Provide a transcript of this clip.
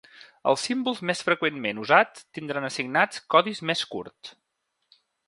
Els símbols més freqüentment usats tindran assignats codis més curts.